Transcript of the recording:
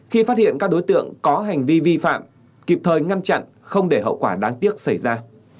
khi phát hiện các đối tượng có hành vi vi phạm kịp thời ngăn chặn không để hậu quả đáng tiếc xảy ra